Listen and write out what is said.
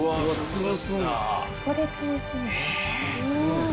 そこで潰すんだ。